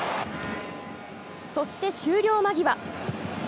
そして終了間際。